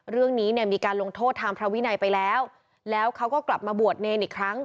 เรื่องนี้เนี่ยมีการลงโทษทางพระวินัยไปแล้วแล้วเขาก็กลับมาบวชเนรอีกครั้ง